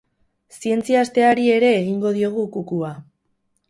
Zientzia asteari ere egingo diogu kukua.